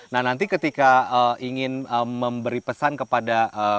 nah nanti ketika ingin memberi pesan kepada